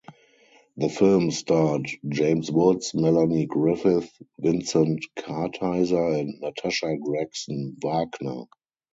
The film starred James Woods, Melanie Griffith, Vincent Kartheiser and Natasha Gregson Wagner.